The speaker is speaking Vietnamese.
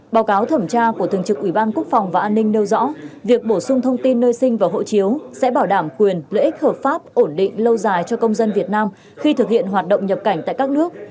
báo cáo thẩm tra của thường trực ủy ban quốc phòng và an ninh nêu rõ việc bổ sung thông tin nơi sinh và hộ chiếu sẽ bảo đảm quyền lợi ích hợp pháp ổn định lâu dài cho công dân việt nam khi thực hiện hoạt động nhập cảnh tại các nước